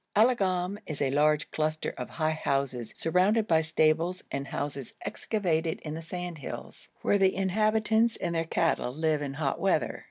Alagoum is a large cluster of high houses, surrounded by stables and houses excavated in the sandhills, where the inhabitants and their cattle live in hot weather.